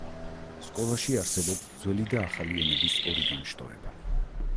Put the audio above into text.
სკოლაში არსებობს ძველი და ახალი ენების ორი განშტოება.